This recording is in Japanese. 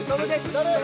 誰？